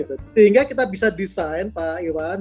sehingga kita bisa desain pak iwan